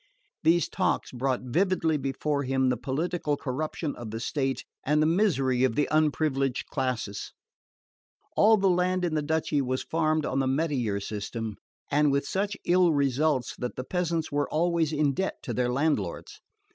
These talks brought vividly before him the political corruption of the state and the misery of the unprivileged classes. All the land in the duchy was farmed on the metayer system, and with such ill results that the peasants were always in debt to their landlords.